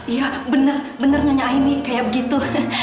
iya bener bener nyonya aini kayak begitu